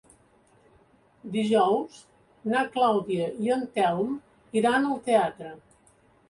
Dijous na Clàudia i en Telm iran al teatre.